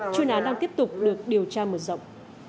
chuyên án đang tiếp tục được điều tra mở rộng